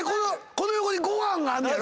この横にご飯あんねやろ？